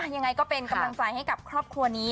ยังไงก็เป็นกำลังใจให้กับครอบครัวนี้